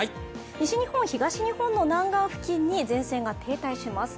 西日本、東日本の南岸付近に前線が停滞します。